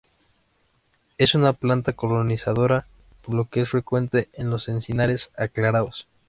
Es una planta colonizadora, por lo que es frecuente en los encinares aclarados.